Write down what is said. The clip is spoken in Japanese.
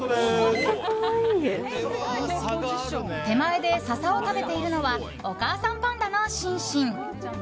手前でササを食べているのはお母さんパンダのシンシン。